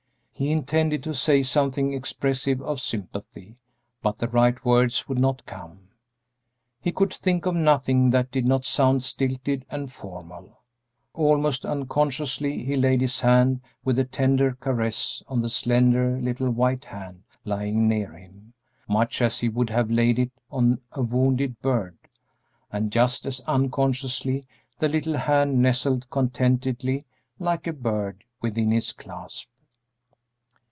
He intended to say something expressive of sympathy, but the right words would not come. He could think of nothing that did not sound stilted and formal. Almost unconsciously he laid his hand with a tender caress on the slender little white hand lying near him, much as he would have laid it on a wounded bird; and just as unconsciously, the little hand nestled contentedly, like a bird, within his clasp.